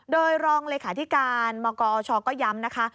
โดยรองเลขาธิการมกอชก็ย้ำนะคะ